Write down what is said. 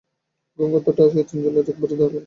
গঙ্গার তটে আসিয়া তিন জনে একবার দাঁড়াইল।